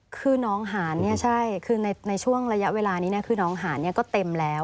คือน้องหานเนี่ยใช่คือในช่วงระยะเวลานี้คือน้องหานก็เต็มแล้ว